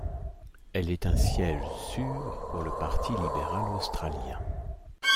Elle est un siège sûr pour le Parti libéral australien.